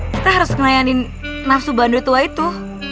kita harus kenalin nafsu bandut tua itu